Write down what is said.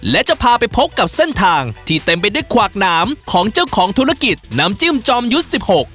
และจะพาไปพบกับเส้นทางที่เต็มไปด้วยขวากหนามของเจ้าของธุรกิจน้ำจิ้มจอมยุทธ์สิบหก